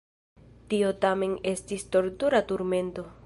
Tio tamen estis tortura turmento.